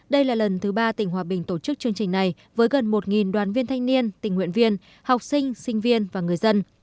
đây là lần thứ ba tỉnh hòa bình tổ chức chương trình này với gần một đoàn viên thanh niên tình nguyện viên học sinh sinh viên và người dân